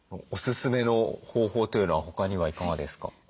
おすすめの方法というのは他にはいかがですか？